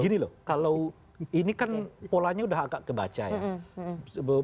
gini loh kalau ini kan polanya udah agak kebaca ya